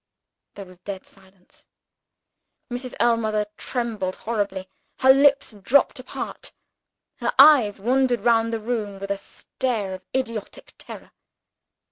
There was dead silence. Mrs. Ellmother trembled horribly her lips dropped apart her eyes wandered round the room with a stare of idiotic terror.